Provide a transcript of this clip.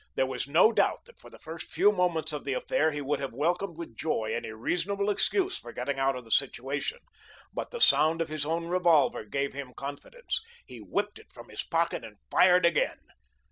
There was no doubt that for the first few moments of the affair he would have welcomed with joy any reasonable excuse for getting out of the situation. But the sound of his own revolver gave him confidence. He whipped it from his pocket and fired again.